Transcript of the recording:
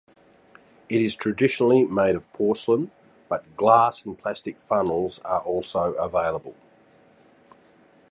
It is traditionally made of porcelain, but glass and plastic funnels are also available.